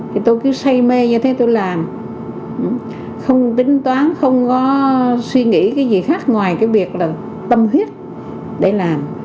thì tôi cứ say mê như thế tôi làm không tính toán không có suy nghĩ cái gì khác ngoài cái việc là tâm huyết để làm